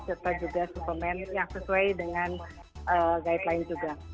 serta juga suplemen yang sesuai dengan guideline juga